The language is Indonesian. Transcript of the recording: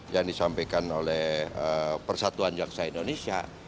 yang disampaikan oleh persatuan jaksa indonesia